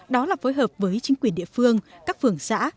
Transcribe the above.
đó là phối hợp với chính quyền địa phương các phường xã